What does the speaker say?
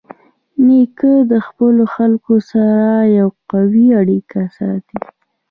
نیکه د خپلو خلکو سره یوه قوي اړیکه ساتي.